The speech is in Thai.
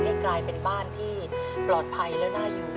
ให้กลายเป็นบ้านที่ปลอดภัยและน่าอยู่